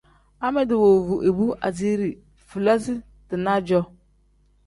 Amedi woovu ibu asiiri fulasi-dinaa-jo.